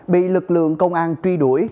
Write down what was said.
bị lực lượng công an truy đuổi